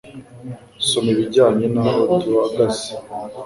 Soma ibijanye n'aho duhagaze